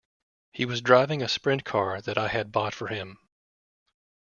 He was driving a sprint car that I had bought for him.